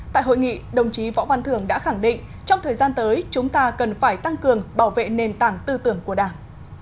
tại hội nghị đồng chí võ văn thường đã khẳng định trong thời gian tới chúng ta cần phải tăng cường bảo vệ nền tảng tư tưởng của đảng